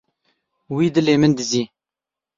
Wî dilê min dizî.